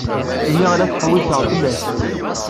Lliɣ la ttḥewwiseɣ fell-as.